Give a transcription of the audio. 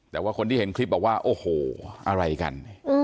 แต่ว่าคนที่เห็นคลิปบอกว่าโอ้โหอะไรกัน